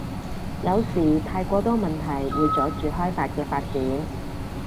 有時太過多問題會阻住開法嘅發展